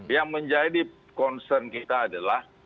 yang menjadi concern kita adalah